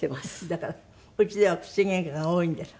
だから家では口ゲンカが多いんですってね。